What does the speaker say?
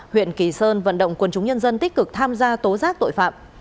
huyện kỳ sơn vận động quân chúng nhân dân tích cực tham gia tố giác tội phạm